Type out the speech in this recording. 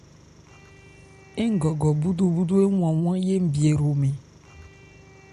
Ńgɔgɔ búdúbúdú éwan wán yé nbi hromɛn.